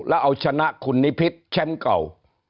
และเอาชนะคุณนิพิษเช่นเก่า